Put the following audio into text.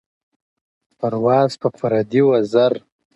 • پرواز په پردي وزر ,